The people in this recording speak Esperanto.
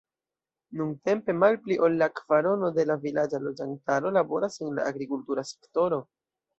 Nuntempe malpli ol kvarono de la vilaĝa loĝantaro laboras en la agrikultura sektoro.